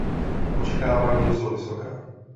Očekávání jsou vysoká.